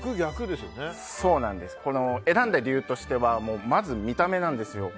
選んだ理由としてはまず見た目なんですよ。